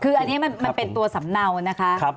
คืออันนี้มันเป็นตัวสำเนานะคะ